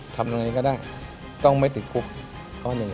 ทำอย่างไรก็ได้